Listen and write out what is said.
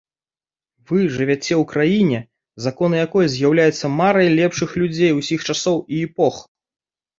Вы жывяце ў краіне, законы якой з'яўляюцца марай лепшых людзей усіх часоў і эпох.